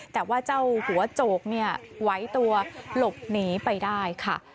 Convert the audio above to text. แต่ว่าเจ้าหัวโจกเนี่ยไหวตัวหลบหนีไปได้ค่ะ